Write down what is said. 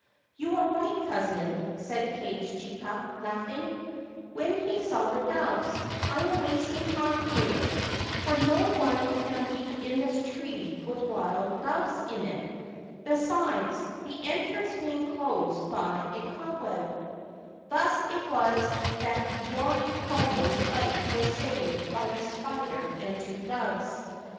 'You are right, cousin,' said Kage chika, laughing, when he saw the doves :' I am wasting time here, for no 93 Ancient Tales and Folklore of Japan one can be in this tree with wild doves in it, besides the entrance being closed by a cobweb/ Thus it was that Yoritomo's life was saved by a spider and two doves.